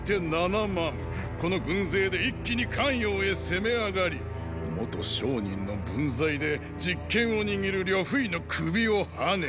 この軍勢で一気に咸陽へ攻め上がり元商人の分際で実権を握る呂不韋の首をはね！